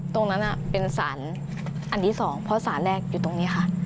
ตรงนั้นเป็นสารอันที่สองเพราะสารแรกอยู่ตรงนี้ค่ะ